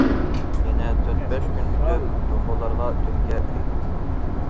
يەنە تۆت- بەش كۈن ئۆتۈپ، توخۇلارغا تۈلكە تەگدى.